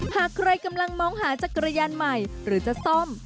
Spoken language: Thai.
หากใครกำลังมองหาจักรยานใหม่หรือจะซ่อม